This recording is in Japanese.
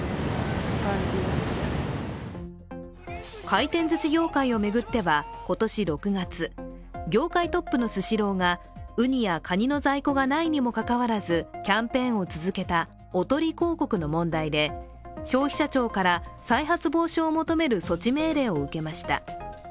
回転ずし業界を巡っては今年６月業界トップのスシローがウニやカニの在庫がないにもかかわらず、キャンペーンを続けたおとり広告の問題で消費者庁から再発防止を求める措置命令を受けました。